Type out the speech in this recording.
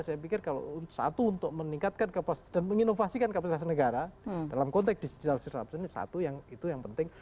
saya pikir kalau satu untuk meningkatkan kapasitas dan menginovasikan kapasitas negara dalam konteks digital disruption ini satu yang itu yang penting